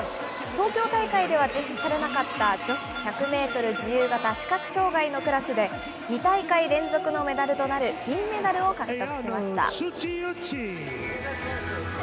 東京大会では実施されなかった、女子１００メートル自由形視覚障害のクラスで、２大会連続のメダルとなる銀メダルを獲得しました。